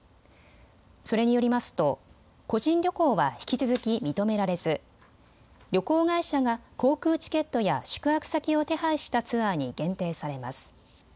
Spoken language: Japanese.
それによりますと個人旅行は引き続き認められず旅行会社が航空チケットや宿泊先を手配したツアーに限定されます。